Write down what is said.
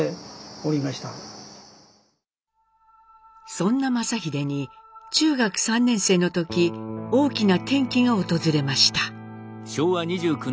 そんな正英に中学３年生の時大きな転機が訪れました。